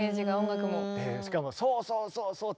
しかも「そうそうそうそう！」